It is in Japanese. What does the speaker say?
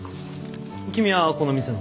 君はこの店の？